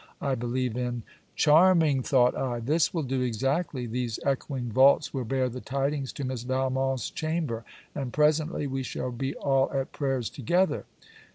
I Believe in .' Charming! thought I this will do exactly. These echoing vaults will bear the tidings to Miss Valmont's chamber; and, presently, we shall be all at prayers together.